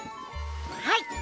はい！